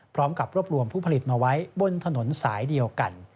พร้อมกับรวบรวมผู้ผลิตมาไว้บนถนนสายเดียวกัน